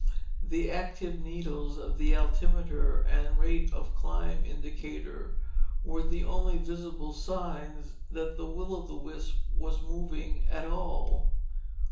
The active needles of the altimeter and rate of climb indicator were the only visible signs that Will o' the Wisp was moving at all.